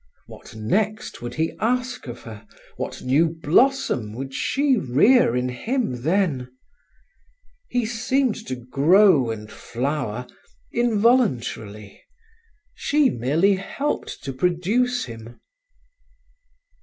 What next would he ask of her, what new blossom would she rear in him then. He seemed to grow and flower involuntarily. She merely helped to produce him.